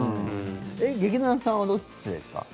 劇団さんはどっちですか？